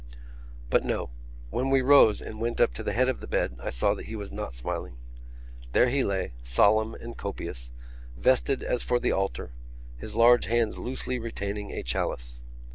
But no. When we rose and went up to the head of the bed I saw that he was not smiling. There he lay, solemn and copious, vested as for the altar, his large hands loosely retaining a chalice.